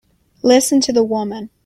Listen to the woman!